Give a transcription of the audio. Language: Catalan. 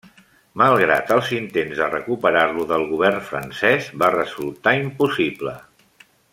Malgrat els intents de recuperar-lo del govern francès, va resultar impossible.